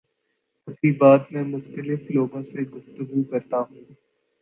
تقریبات میں مختلف لوگوں سے گفتگو کرتا ہوں